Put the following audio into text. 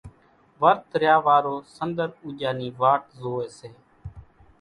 ورت ريا وارو سنۮر اُوڄان ني واٽ زوئي سي